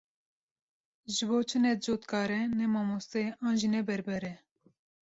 Ji bo çi ne cotkar e, ne mamoste ye, an jî ne berber e?